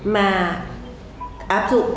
mà áp dụng